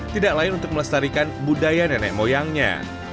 tidak lain untuk melestarikan budaya nenek moyangnya